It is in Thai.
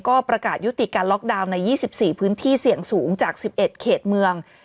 ก็ประกาศยุติการล็อกดาวน์ใน๒๔พื้นที่เสี่ยงสูงจาก๑๑เขตเมือง